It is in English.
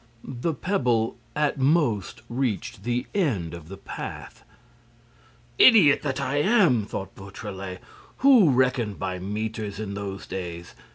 The pebble at most reached the end of the path. "Idiot that I am!" thought Beautrelet. "Who reckoned by metres in those days?